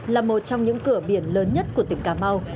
là một trong những cửa biển lớn nhất của tỉnh cà mau